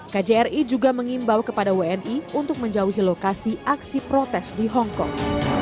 kjri juga mengimbau kepada wni untuk menjauhi lokasi aksi protes di hongkong